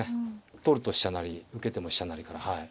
取ると飛車成受けても飛車成からはい。